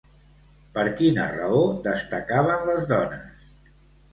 Per quina raó destacaven les dones?